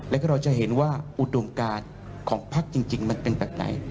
แล้วก็เราจะเห็นว่าอุดมการของพักจริงมันเป็นแบบไหน